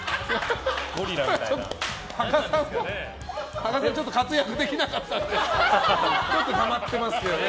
芳賀さん活躍できなかったのでちょっとたまってますけどね。